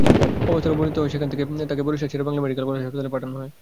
অবস্থার অবনতি হওয়ায় সেখান থেকে তাঁকে বরিশাল শেরেবাংলা মেডিকেল কলেজ হাসপাতালে পাঠানো হয়।